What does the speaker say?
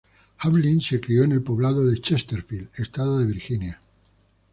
Hamlin se crio en el poblado de Chesterfield, estado de Virginia.